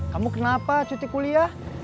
kamu kenapa cuti kuliah